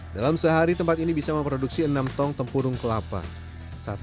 dalam sehari tempat ini bisa memproduksi enam tong tempurung kelapa